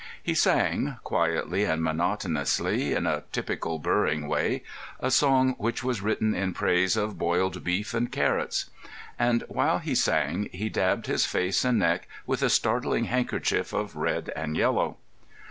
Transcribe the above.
He sang, quietly and monotonously, in a typical burring way, a song which was written in praise of boiled beef and carrots. And while he sang he dabbed his face and neck with a startling handkerchief of red and yellow.